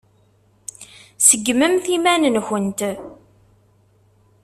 Seggmemt iman-nkent.